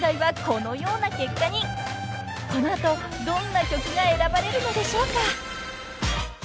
［この後どんな曲が選ばれるのでしょうか］